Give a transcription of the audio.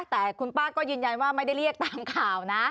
แต่คุณป้าก็ยืนยันว่าไม่ได้เรียกตามข่าวนะ